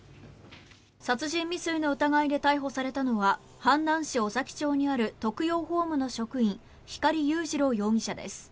殺人未遂の疑いで逮捕されたのは阪南市尾崎町にある特養ホームの職員光雄司郎容疑者です。